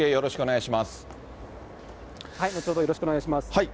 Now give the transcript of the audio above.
後ほど、よろしくお願いします。